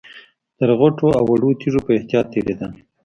تر غټو او وړو تيږو په احتياط تېرېدل.